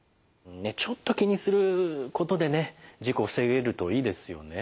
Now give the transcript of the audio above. ちょっと気にすることでね事故を防げるといいですよね。